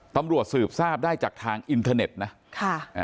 ตำรวจสืบทราบได้จากทางอินเทอร์เน็ตนะค่ะอ่า